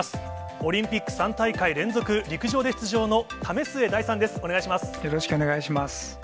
オリンピック３大会連続、陸上で出場の為末大さんです。